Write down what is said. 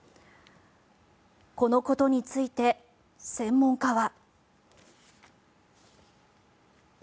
このことについて、専門家は。